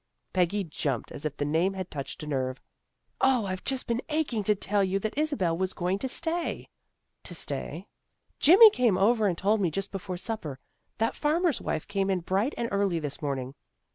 Peggy jumped, as if the name had touched a nerve. " O, I've just been aching to tell you that Isabel was going to stay." " To stay? "" Jimmy came over and told me just before supper. That farmer's wife came in bright and early this morning.